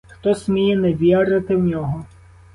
Хто сміє не вірити в нього?!